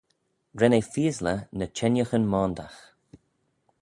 Ren eh feaysley ny çhengaghyn moandagh.